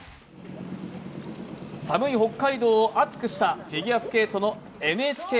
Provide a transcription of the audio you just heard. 寒い北海道を熱くしたフィギュアスケートのＮＨＫ杯。